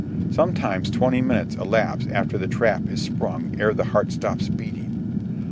Sometimes twenty minutes elapse after the trap is sprung ere the heart stops beating.